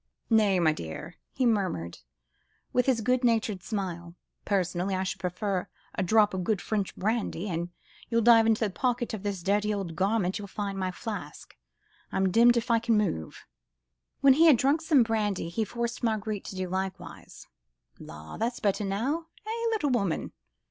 "Nay, m'dear," he murmured with his good humoured smile, "personally I should prefer a drop of good French brandy! an you'll dive in the pocket of this dirty old garment, you'll find my flask. ... I am demmed if I can move." When he had drunk some brandy, he forced Marguerite to do likewise. "La! that's better now! Eh! little woman?"